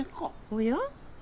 おや？